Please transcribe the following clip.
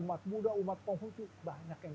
umat buddha umat penghucu banyak yang